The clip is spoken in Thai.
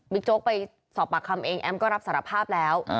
โจ๊กไปสอบปากคำเองแอมก็รับสารภาพแล้ว